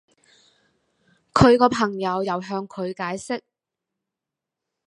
佢個朋友又向佢解釋